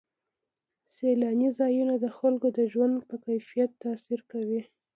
سیلاني ځایونه د خلکو د ژوند په کیفیت تاثیر کوي.